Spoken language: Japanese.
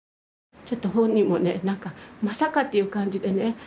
ちょっと本人もね「まさか」っていう感じでね。